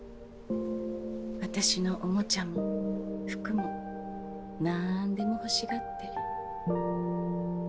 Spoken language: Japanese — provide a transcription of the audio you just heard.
私のおもちゃも服も何でも欲しがって。